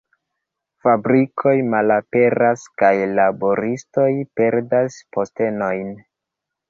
Fabrikoj malaperas kaj laboristoj perdas postenojn.